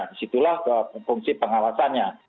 disitulah fungsi pengawasannya